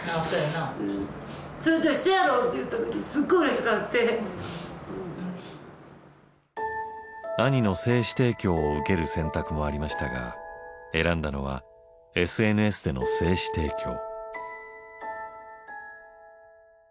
でも兄の精子提供を受ける選択もありましたが選んだのはＳＮＳでの精子提供。